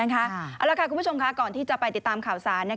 เอาละค่ะคุณผู้ชมก่อนที่จะไปติดตามข่าวสาร